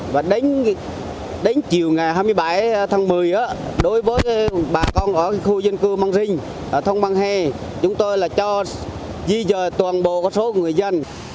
và đến chiều ngày hai mươi bảy tháng một mươi đối với bà con ở khu dân cư mang rinh thôn mang he chúng tôi là cho di rời toàn bộ số người dân